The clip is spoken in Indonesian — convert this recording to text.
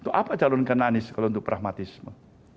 itu apa calonkan anies kalau untuk pragmatisme